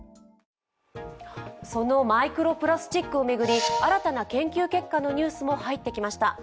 そのマイクロプラスチックを巡り、新たな研究結果のニュースも入ってきました。